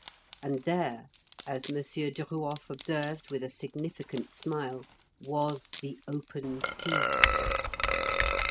And there, as M. Duruof observed with a significant smile, was "the open sea."